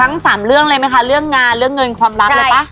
ทั้งสามเรื่องเลยไหมคะเรื่องงานเรื่องเงินความรักเลยป่ะ